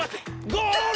ゴール！